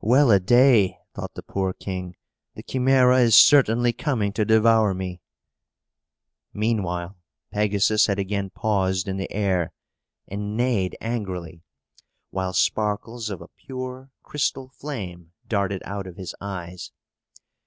"Well a day!" thought the poor king; "the Chimæra is certainly coming to devour me!" Meanwhile Pegasus had again paused in the air, and neighed angrily, while sparkles of a pure crystal flame darted out of his eyes.